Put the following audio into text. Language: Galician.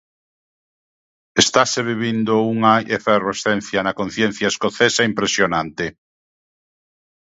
Estase vivindo unha efervescencia na conciencia escocesa impresionante.